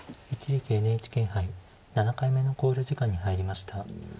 一力ＮＨＫ杯７回目の考慮時間に入りました。